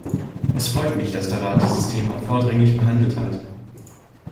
Es freut mich, dass der Rat dieses Thema vordringlich behandelt hat.